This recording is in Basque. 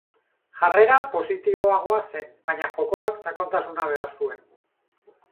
Jarrera positiboagoa zen, baina jokoak sakontasuna behar zuen.